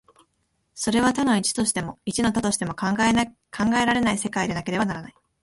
それは多の一としても、一の多としても考えられない世界でなければならない。